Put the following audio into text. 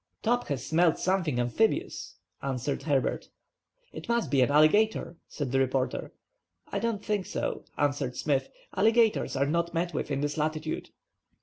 "Top has smelt something amphibious," answered Herbert. "It must be an alligator," said the reporter. "I don't think so," answered Smith. "Alligators are not met with in this latitude."